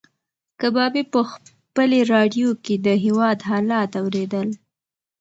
کبابي په خپلې راډیو کې د هېواد حالات اورېدل.